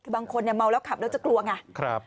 คือบางคนเมาแล้วขับแล้วจะกลัวไง